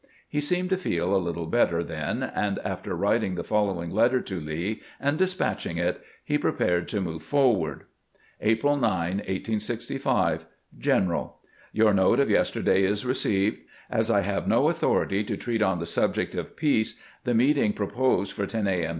He seemed to feel a little better then, and after writing the following letter to Lee, and despatching it, he prepared to move forward. AprU 9, 1865. General : Your note of yesterday is received. As I have no authority to treat on the subject of peace, the meeting pro posed for 10 A. M.